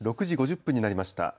６時５０分になりました。